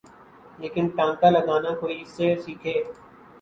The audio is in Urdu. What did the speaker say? لیکن ٹانکا لگانا کوئی ان سے سیکھے۔